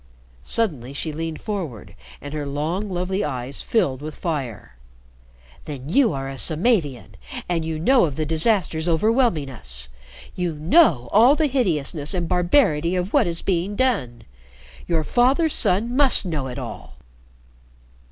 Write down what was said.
Suddenly she leaned forward and her long lovely eyes filled with fire. "Then you are a Samavian, and you know of the disasters overwhelming us. You know all the hideousness and barbarity of what is being done. Your father's son must know it all!"